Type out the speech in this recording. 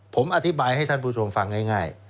ผมอธิบายให้ท่านผู้ชมฟังง่าย